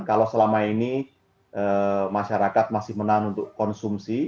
kalau selama ini masyarakat masih menahan untuk konsumsi